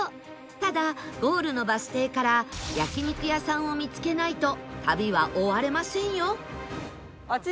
ただゴールのバス停から焼肉屋さんを見つけないと旅は終われませんよ